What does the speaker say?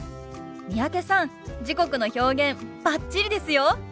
三宅さん時刻の表現バッチリですよ。